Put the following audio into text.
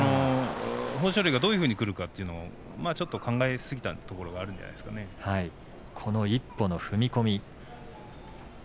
豊昇龍がどういうふうにくるかちょっと考えすぎたところがこの一歩の踏み込み